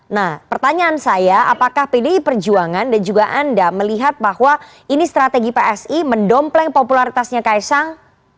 nah pertanyaan saya apakah pdi perjuangan dan juga anda melihat bahwa ini strategi psi mendompleng popularitasnya kaisang